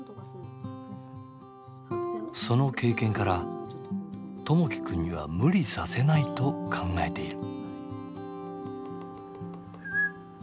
その経験から友輝くんには無理させないと考えている。